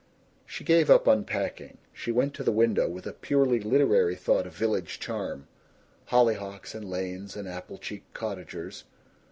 She gave up unpacking. She went to the window, with a purely literary thought of village charm hollyhocks and lanes and apple cheeked cottagers.